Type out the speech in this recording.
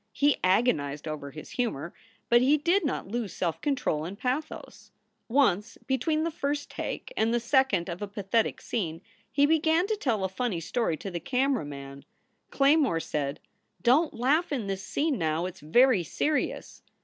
He agonized over his humor, but he did not lose self control in pathos. Once, between the first take and the second of a pathetic scene, he began to tell a funny story to the camera man. Claymore said: "Don t laugh in this scene, now. It s very serious."